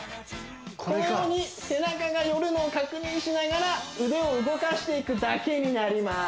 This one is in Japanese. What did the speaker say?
このように背中が寄るのを確認しながら腕を動かしていくだけになります